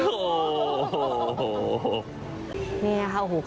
นี้เนี่ยค่ะอายุนะครับ